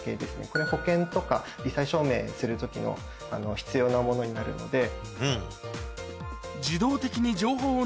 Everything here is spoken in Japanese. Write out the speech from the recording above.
これ保険とか罹災証明する時の必要なものになるので。